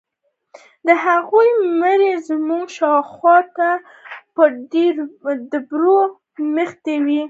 د هغوې مرمۍ زموږ شاوخوا ته پر ډبرو مښتې.